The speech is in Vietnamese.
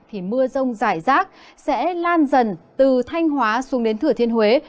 thì mưa rông dài rác sẽ lan dần từ thanh hóa xuống đến thửa thiên huế